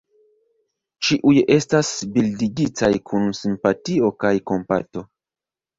Ĉiuj estas bildigitaj kun simpatio kaj kompato.